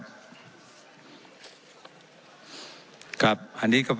ครับอันนี้ก็เป็นจะถามท่านนายกนะครับว่า